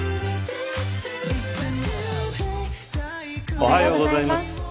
おはようございます。